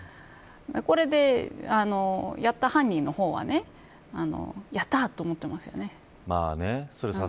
これで、やった犯人の方はやったと思ってますよね。